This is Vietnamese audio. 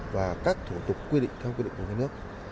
và các thủ tục quy định theo quy định của nhà nước